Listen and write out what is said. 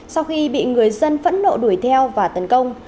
sau khi bị người dân phẫn nộ đuổi theo và tấn công